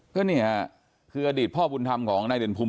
ก็เนี่ยคืออดีตพ่อบุญธรรมของนายเด่นภูมิ